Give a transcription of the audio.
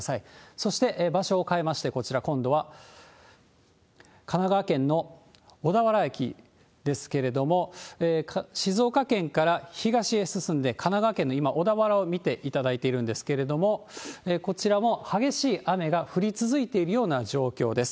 そして場所を変えまして、こちら、今度は神奈川県の小田原駅ですけれども、静岡県から東へ進んで、神奈川県の今、小田原を見ていただいているんですけれども、こちらも激しい雨が降り続いているような状況です。